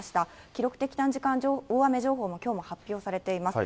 記録的短時間大雨情報もきょうも発表されています。